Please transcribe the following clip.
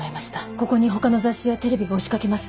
ここにほかの雑誌やテレビが押しかけます。